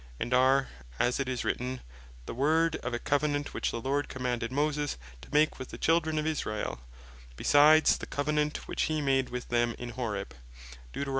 And are (as it is written, Deut. 29.1.) "The words of a Covenant which the Lord commanded Moses to make with the Children of Israel, besides the Covenant which he made with them in Horeb."